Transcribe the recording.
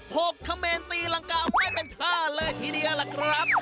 กเขมรตีรังกาไม่เป็นท่าเลยทีเดียวล่ะครับ